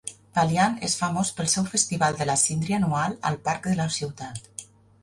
Valliant és famós pel seu Festival de la síndria anual al Parc de la ciutat.